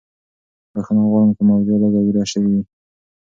بښنه غواړم که موضوع لږه اوږده شوې وي.